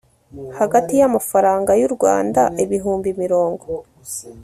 hagati y amafaranga y u Rwanda ibihumbi mirongo